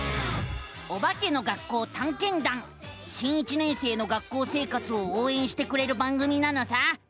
「おばけの学校たんけんだん」。新１年生の学校生活をおうえんしてくれる番組なのさ！